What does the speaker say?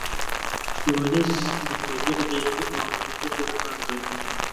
ښوونیز مرکزونه د علمي او عملي زدهکړو لپاره ځایونه دي.